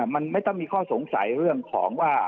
มันไม่ต้องมีข้อสงสัยเรื่องของว่า